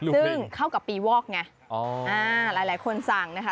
ซึ่งเข้ากับปีวอกไงหลายคนสั่งนะคะ